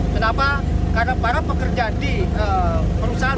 kenapa karena para pekerja di perusahaan